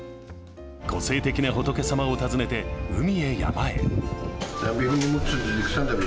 個性的なホトケ様を訪ねて海へ、山へ。